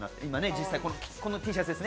実際、このＴシャツです。